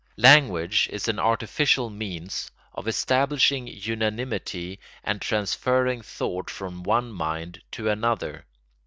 Language is an artificial means of establishing unanimity and transferring thought from one mind to another.